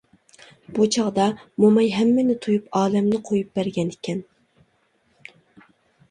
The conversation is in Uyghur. بۇ چاغدا موماي ھەممىنى تۇيۇپ، ئالەمنى قۇيۇپ بەرگەن ئىكەن.